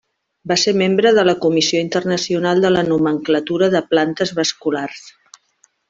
Va ser membre de la Comissió Internacional de la Nomenclatura de Plantes Vasculars.